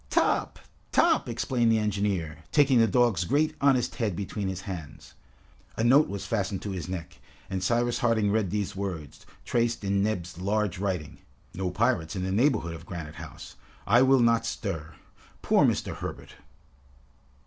"Top, Top!" exclaimed the engineer, taking the dog's great honest head between his hands. A note was fastened to his neck, and Cyrus Harding read these words, traced in Neb's large writing: "No pirates in the neighborhood of Granite House. I will not stir. Poor Mr. Herbert!"